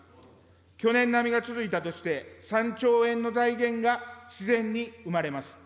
去年並みが続いたとして３兆円の財源が自然に生まれます。